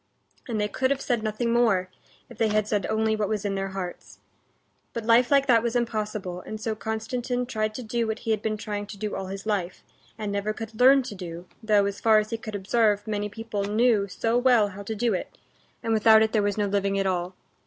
And they could have said nothing more, if they had said only what was in their hearts. But life like that was impossible, and so Konstantin tried to do what he had been trying to do all his life, and never could learn to do, though, as far as he could observe, many people knew so well how to do it, and without it there was no living at all.